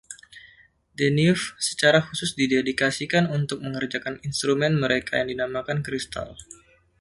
Deneuve secara khusus didedikasikan untuk mengerjakan instrumen mereka yang dinamakan "Cristal".